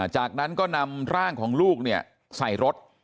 จากนั้นเริ่มกินอยู่ในรถ